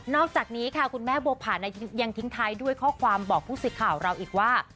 อกจากนี้ค่ะคุณแม่บัวผ่านยังทิ้งท้ายด้วยข้อความบอกผู้สิทธิ์ข่าวเราอีกว่า